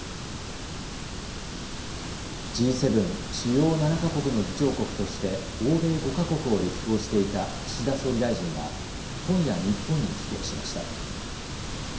Ｇ７・主要７か国の議長国として欧米５か国を歴訪していた岸田総理大臣は今夜、日本に帰国しました。